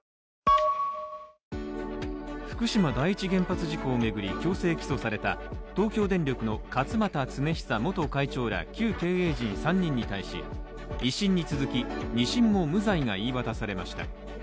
福島第一原発事故を巡り強制起訴された、東京電力の勝俣恒久元会長ら旧経営陣３人に対し一審に続き二審も無罪が言い渡されました。